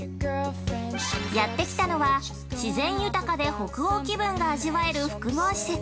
◆やってきたのは、自然豊かで北欧気分が味わえる複合施設